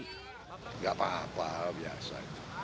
tidak apa apa biasa